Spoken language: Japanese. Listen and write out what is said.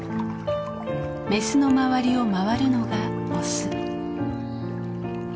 メスの周りを回るのがオス。